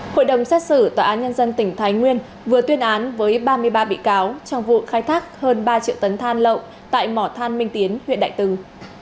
hội đồng xét xử tòa án nhân dân tỉnh thái nguyên vừa tuyên án với ba mươi ba bị cáo trong vụ khai thác hơn ba triệu tấn than lậu tại mỏ than minh tiến huyện đại từng